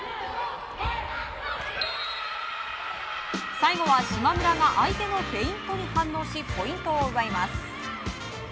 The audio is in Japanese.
最後は島村が相手のフェイントに反応しポイントを奪います。